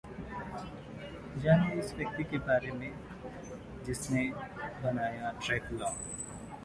जानिए उस व्यक्ति के बारे में जिसने बनाया ड्रैकुला